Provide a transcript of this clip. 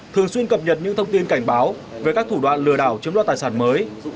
thường xuyên cập nhật những thông tin cảnh báo về các thủ đoạn lừa đảo chiếm đoạt tài sản mới